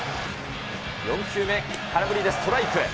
４球目、空振りでストライク。